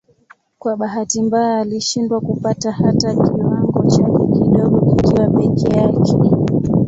Kwa bahati mbaya alishindwa kupata hata kiwango chake kidogo kikiwa peke yake.